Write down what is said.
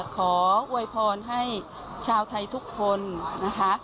ขออวยพรให้ชาวไทยทุกคนนะคะ